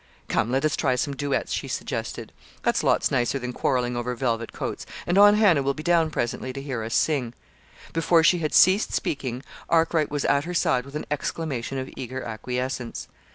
"Come, let us try some duets," she suggested. "That's lots nicer than quarrelling over velvet coats; and Aunt Hannah will be down presently to hear us sing." Before she had ceased speaking, Arkwright was at her side with an exclamation of eager acquiescence.